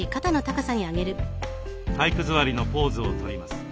体育座りのポーズをとります。